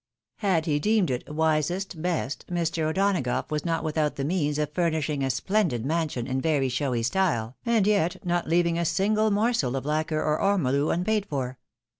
Had he deemed it " wisest, best," Mr. O'Donagough was not without the means of furnishing a splendid mansion in very showy style, and yet not leaving a single morsel of lacker, or orinolu, unpaid for.